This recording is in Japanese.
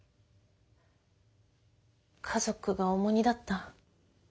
家族が重荷だった？